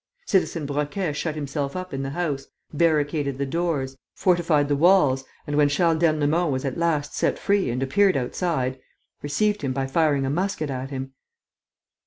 Citizen Broquet shut himself up in the house, barricaded the doors, fortified the walls and, when Charles d'Ernemont was at last set free and appeared outside, received him by firing a musket at him.